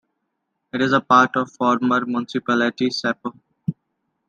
It is part of the former municipality Cepo.